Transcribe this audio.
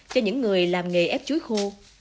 cho những người làm nghề ép chuối khô